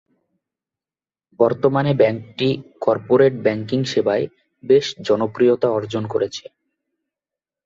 বর্তমানে ব্যাংকটি corporate banking সেবায় বেশ জনপ্রিয়তা অর্জন করেছে।